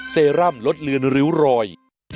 เซรั่มลดเลือนริ้วรอย